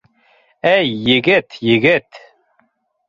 — Эй, егет, егет.